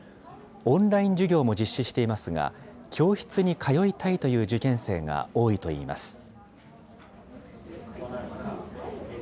オンライン授業も実施していますが、教室に通いたいという受験生が多いといいます。